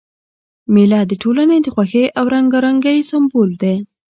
مېله د ټولني د خوښۍ او رنګارنګۍ سېمبول ده.